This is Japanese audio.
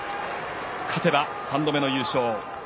勝てば３度目の優勝。